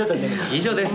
以上です。